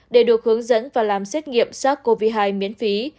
để được hướng dẫn và làm xét nghiệm sars cov hai miễn phí